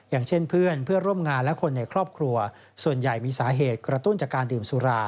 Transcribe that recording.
อย่างเช่นเพื่อนเพื่อนร่วมงานและคนในครอบครัวส่วนใหญ่มีสาเหตุกระตุ้นจากการดื่มสุรา